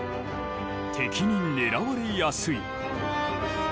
敵に狙われやすい。